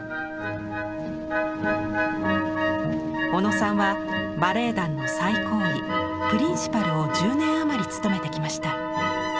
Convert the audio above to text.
小野さんはバレエ団の最高位プリンシパルを１０年あまり務めてきました。